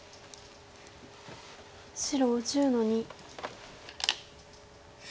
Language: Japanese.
白１０の二。